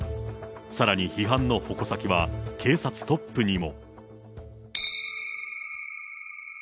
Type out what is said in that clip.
さらに批判の矛先は警察トップにも。